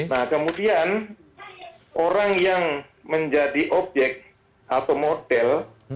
nah kemudian orang yang menjadi objek atau model